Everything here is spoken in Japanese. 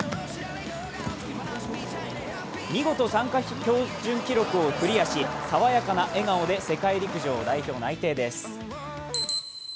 見事、参加標準記録をクリアし、爽やかな笑顔で世界陸上代表内定です。